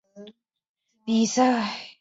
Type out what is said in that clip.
弗拉索夫曾参与一届奥运会的射击比赛。